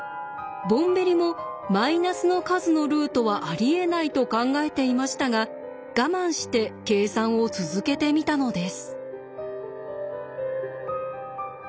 ボンベリもマイナスの数のルートはありえないと考えていましたが我慢して計算を続けてみたのです。